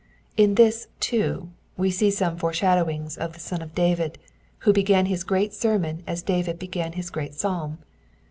In this, too, we see some foreshadowings of the Son of David, who began his great sermon as David began his great psalm.